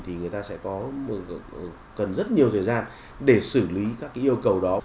thì người ta sẽ cần rất nhiều thời gian để xử lý các yêu cầu đó